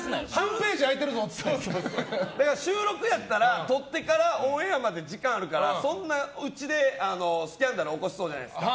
収録やったら撮ってからオンエアまで時間があるから、スキャンダルを起こしそうじゃないですか。